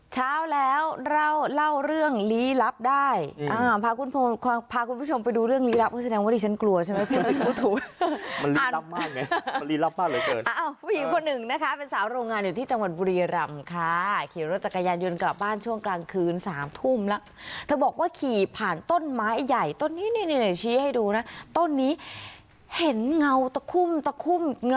เช้าแล้วเราร่าวเรื่องรีลับได้อ่าพาคุณผู้